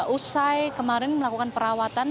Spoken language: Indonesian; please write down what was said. usai kemarin melakukan perawatan